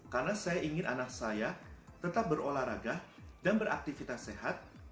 karena saya ingin anak saya tetap berolahraga dan beraktifitas sehat